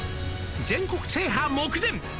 「全国制覇目前」